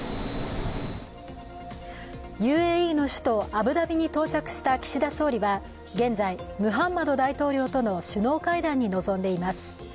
ＵＡＥの首都アブダビに到着した岸田総理は現在、ムハンマド大統領との首脳会談に臨んでいます。